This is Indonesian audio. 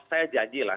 saya janji lah